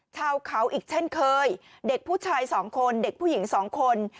ชาวเขาอีกเช่นเคยเด็กผู้ชายสองคนเด็กผู้หญิงสองคน